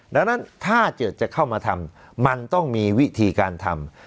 ดังนั้นถ้าเกิดจะเข้ามาทำมันต้องมีวิธีการทำ